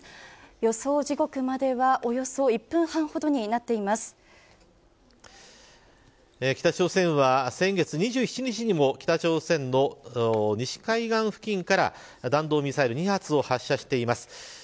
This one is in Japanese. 予想時刻までは、およそ北朝鮮は、先月２７日にも北朝鮮の西海岸付近から弾道ミサイル２発を発射しています。